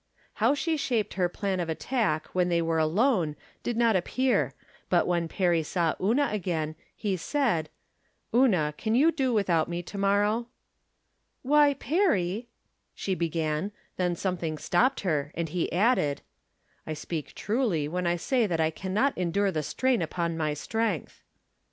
How she shaped her plan of attack when they were alone did not appear, but when Perry saw Una again, he said :" Una, can you do without me to morrow ?" "Why, Perry," she began, then something stopped her, and he added : From Different Standpoints. 207 " I speak truly when I say that I can not en dure the strain upon my strength."